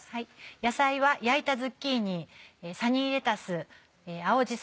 野菜は焼いたズッキーニサニーレタス青じそ